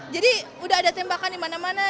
jadi udah ada tembakan di mana mana